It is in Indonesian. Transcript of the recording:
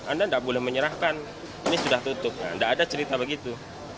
anda tidak boleh menyerahkan ini sudah tutup tidak ada cerita begitu